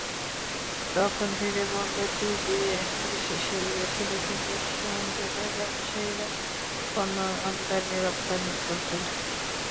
তখন থেকে বন্দরটি দিয়ে, বিশেষ করে দেশের দক্ষিণ-পশ্চিমাঞ্চলের ব্যবসায়ীরা পণ্য আমদানি-রপ্তানি করতেন।